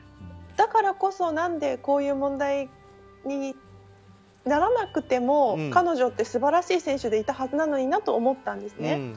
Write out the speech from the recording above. だからこそこういう問題にならなくても彼女って素晴らしい選手でいたはずなのになと思ったんですね。